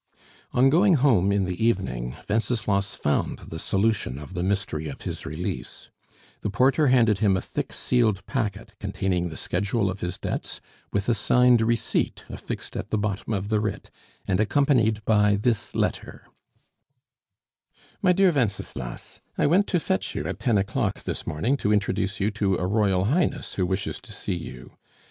On going home in the evening, Wenceslas found the solution of the mystery of his release. The porter handed him a thick sealed packet, containing the schedule of his debts, with a signed receipt affixed at the bottom of the writ, and accompanied by this letter: "MY DEAR WENCESLAS, I went to fetch you at ten o'clock this morning to introduce you to a Royal Highness who wishes to see you.